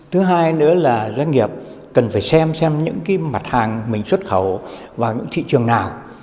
thứ hai nữa là doanh nghiệp cần phải xem xem những cái mặt hàng mình xuất khẩu vào những thị trường nào